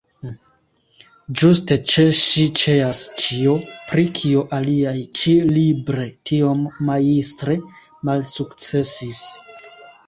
Ĝuste ĉe ŝi ĉeas ĉio, pri kio aliaj ĉi-libre tiom majstre malsukcesis.